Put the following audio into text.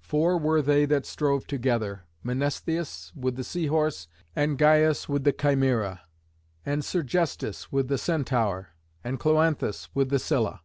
Four were they that strove together, Mnestheus with the Sea Horse, and Gyas with the Chimæra, and Sergestus with the Centaur, and Cloanthus with the Scylla.